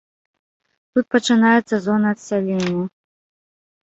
Тут пачынаецца зона адсялення.